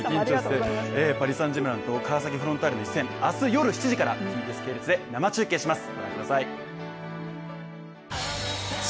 パリ・サン＝ジェルマンと川崎フロンターレの一戦明日夜７時からＴＢＳ系列で生中継します。